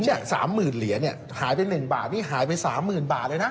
ใช่๓๐๐๐๐เหรียหายไป๑บาทนี่หายไป๓๐๐๐๐บาทเลยนะ